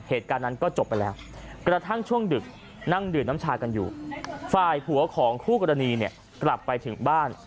เหตุการณ์นั้นก็จบไปแล้วกระทั่งช่วงดึกนั่งดื่มน้ำชากันอยู่ฝ่ายผัวของคู่กรณีเนี่ยกลับไปถึงบ้าน